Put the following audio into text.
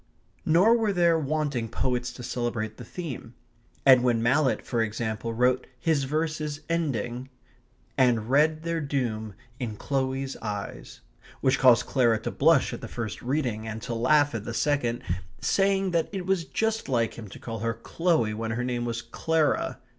Nor were there wanting poets to celebrate the theme. Edwin Mallett, for example, wrote his verses ending: /* And read their doom in Chloe's eyes, */ which caused Clara to blush at the first reading, and to laugh at the second, saying that it was just like him to call her Chloe when her name was Clara.